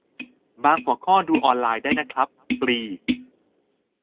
บางหัวข้อดูออนไลนได้นะครับ ฟรี